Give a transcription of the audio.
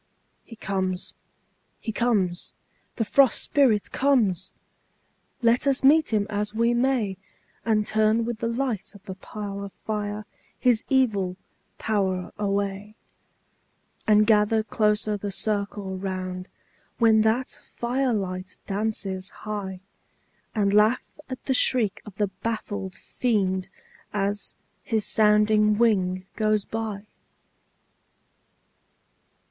He comes, he comes, the Frost Spirit comes! Let us meet him as we may, And turn with the light of the parlor fire his evil power away; And gather closer the circle round, when that fire light dances high, And laugh at the shriek of the baffled Fiend as his sounding wing goes by!